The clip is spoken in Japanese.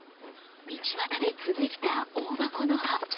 道端で摘んできたオオバコの葉。